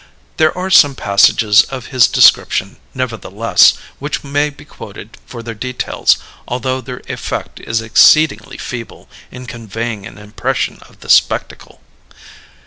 There are some passages of his description, nevertheless, which may be quoted for their details, although their effect is exceedingly feeble in conveying an impression of the spectacle.